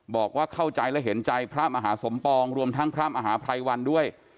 บอกว่าเข้าใจและเห็นใจพระมหาสมปองรวมทั้งพระมหาภัยวันด้วย